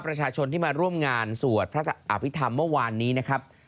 ประชาชนที่มาร่วมงานสวดพระอภิษฐรรมเมื่อวานนี้นะครับ